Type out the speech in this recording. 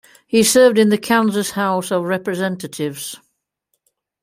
He served in the Kansas House of Representatives.